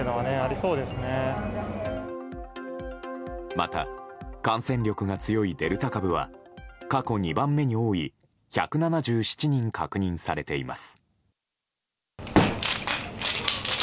また、感染力が強いデルタ株は過去２番目に多い１７７人確認されています。